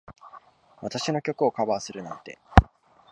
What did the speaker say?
私の曲をカバーするなんて。